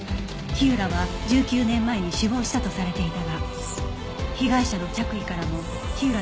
火浦は１９年前に死亡したとされていたが被害者の着衣からも火浦の新たな指紋が見つかり